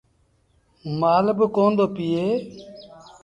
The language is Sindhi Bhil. مآل با ڪوندو پيٚئي۔